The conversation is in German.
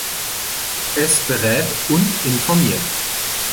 Es berät und informiert.